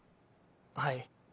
はい。